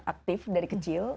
aktif dari kecil